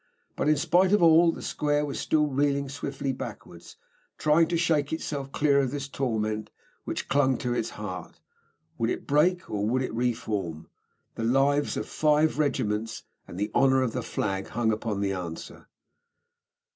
But, in spite of all, the square was still reeling swiftly backwards, trying to shake itself clear of this torment which clung to its heart. Would it break or would it re form? The lives of five regiments and the honour of the flag hung upon the answer.